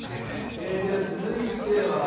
えでは続いては。